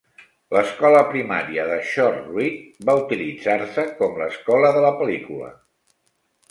L'escola primària de Shortreed va utilitzar-se com l'escola de la pel·lícula.